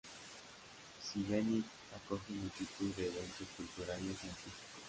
Šibenik acoge multitud de eventos culturales y artísticos.